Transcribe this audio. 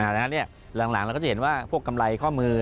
ดังนั้นหลังเราก็จะเห็นว่าพวกกำไรข้อมือ